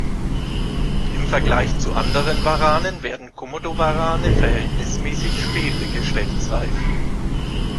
Im Vergleich zu anderen Waranen werden Komodowarane verhältnismäßig spät geschlechtsreif.